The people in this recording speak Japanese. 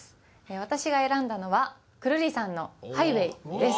私が選んだのはくるりさんの『ハイウェイ』です。